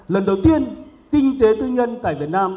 lần đầu tiên kinh tế tư nhân tại việt nam